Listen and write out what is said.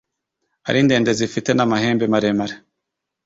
ari ndende zifite n’amahembe maremare,